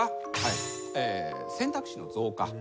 選択肢の増加。